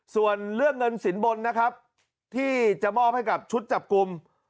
ส่วนเรื่องเงินสินบนนะครับที่จะมอบให้กับชุดจับกลุ่ม